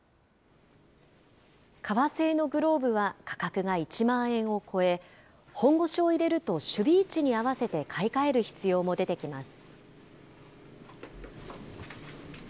革製のグローブは価格が１万円を超え、本腰を入れると守備位置に合わせて買い替える必要も出てきます。